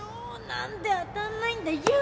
何で当たんないんだよ！